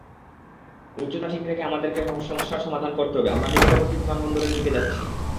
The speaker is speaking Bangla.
উচ্চতা ঠিক রেখে আমাদেরকে সমস্যার সমাধান করতে হবে, আমরা নিকটবর্তী বিমানবন্দরের দিকে যাচ্ছি।